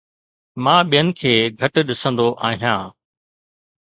مان ٻين کي گهٽ ڏسندو آهيان